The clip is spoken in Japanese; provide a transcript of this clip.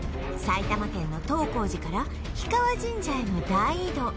埼玉県の東光寺から氷川神社への大移動